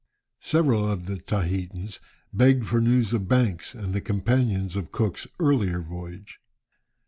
Several of the Tahitans begged for news of Banks and the companions of Cook's earlier voyage.